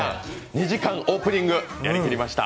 ２時間オープニング、やりきりました！